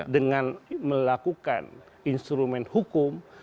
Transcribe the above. dengan melakukan instrumen hukum